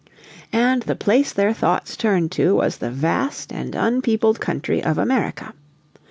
And the place their thoughts turned to was the vast and unpeopled country of America.